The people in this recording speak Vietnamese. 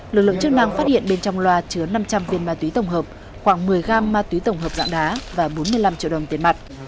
lực lượng chức năng phát hiện bên trong loa chứa năm trăm linh viên ma túy tổng hợp khoảng một mươi gam ma túy tổng hợp dạng đá và bốn mươi năm triệu đồng tiền mặt